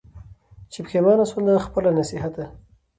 چي پښېمانه سوه له خپله نصیحته